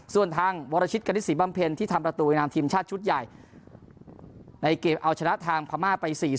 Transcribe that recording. ส่วนทางวรชิตกณิตศรีบำเพ็ญที่ทำประตูในนามทีมชาติชุดใหญ่ในเกมเอาชนะทางพม่าไป๔๐